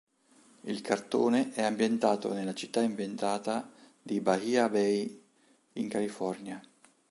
Il cartone è ambientato nella città inventata di Bahia Bay in California.